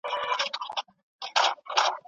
د ټول وطن په ګل ګل شونډو